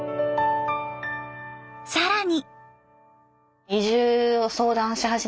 更に。